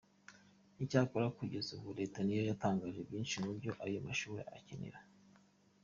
Icyakora kugeza ubu Leta niyo yatangaga byinshi mubyo ayo mashuri akenera.